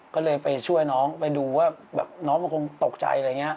ก็เลยไปช่วยน้องไปดูว่าน้องมันคงตกใจ